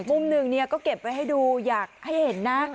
มุมหนึ่งก็เก็บไว้ให้ดูอยากให้เห็นนะ